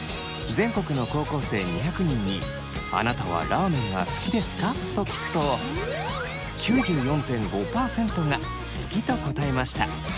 全国の高校生２００人に「あなたはラーメンが好きですか？」と聞くと９４．５％が「好き」と答えました。